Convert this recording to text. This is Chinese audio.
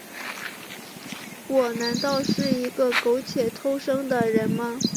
我难道是一个苟且偷生的人吗？